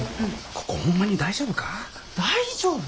ここホンマに大丈夫か？